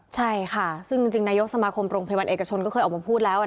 ใช่ค่ะซึ่งจริงนายกสมาคมโรงพยาบาลเอกชนก็เคยออกมาพูดแล้ว